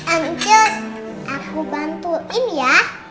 ancus aku bantuin ya